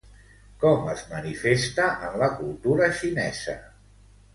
Com es manifesta en la cultura xinesa?